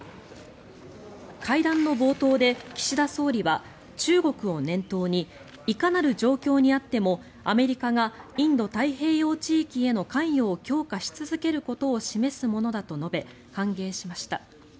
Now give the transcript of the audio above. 会談の冒頭で岸田総理は中国を念頭にいかなる状況にあってもアメリカがインド太平洋地域への関与を強化し続けることを示すものだと述べ歓迎しました。